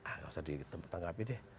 ah gak usah ditangkapin deh